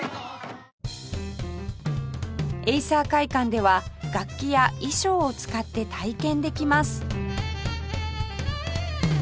エイサー会館では楽器や衣装を使って体験できます